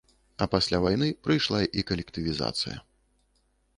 А пасля вайны прыйшла і калектывізацыя.